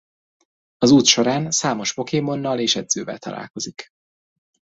Az út során számos pokémonnal és edzővel találkozik.